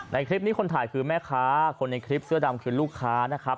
ในคลิปนี้คนถ่ายคือแม่ค้าคนในคลิปเสื้อดำคือลูกค้านะครับ